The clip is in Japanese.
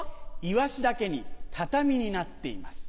イワシだけにタタミになっています。